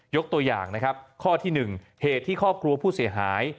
ยกตัวอย่างนะครับข้อที่๑เหตุที่ครอบครัวผู้เสียหาย